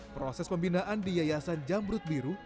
proses pembinaan di yayasan jamrut biru